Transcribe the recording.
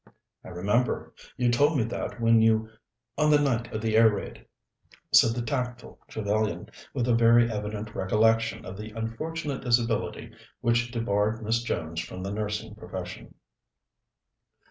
"I remember. You told me that when you on the night of the air raid," said the tactful Trevellyan, with a very evident recollection of the unfortunate disability which debarred Miss Jones from the nursing profession.